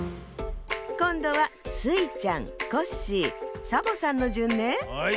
こんどはスイちゃんコッシーサボさんのじゅんね。